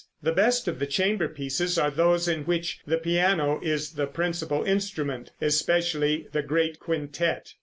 The best of the chamber pieces are those in which the piano is the principal instrument, especially the great quintette.